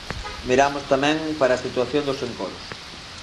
Miramos tamén para a situación dos encoros.